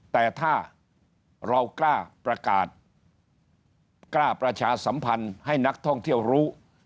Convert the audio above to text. แต่ถ้าเรากล้าประกาศกล้าประชาสัมพันธ์ให้นักท่องเที่ยวรู้